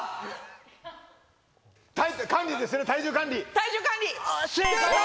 管理ですね体重管理。